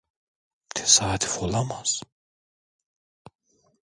Tesadüf olamaz.